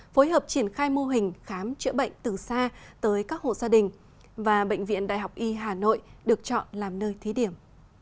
phối hợp triển khai mô hình khám chữa bệnh từ xa tới các hộ gia đình và bệnh viện đại học y hà nội được chọn làm nơi thí điểm